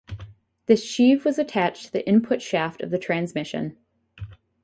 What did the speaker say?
This sheave was attached to the input shaft of the transmission.